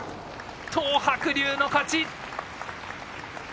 東白龍の勝ち。